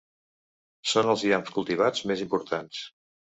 Són els iams cultivats més importants.